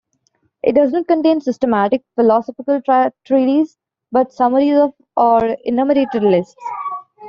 It does not contain systematic philosophical treatises, but summaries or enumerated lists.